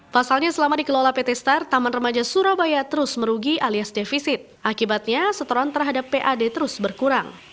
pasalnya selama dikelola pt star taman remaja surabaya terus merugi alias defisit akibatnya setoran terhadap pad terus berkurang